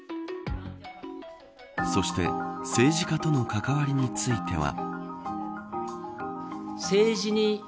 そして政治家との関わりについては。